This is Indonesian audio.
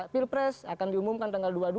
pilpres akan diumumkan tanggal dua puluh dua